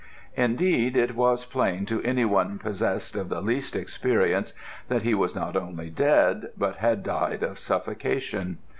"Indeed it was plain to any one possessed of the least experience that he was not only dead, but had died of suffocation.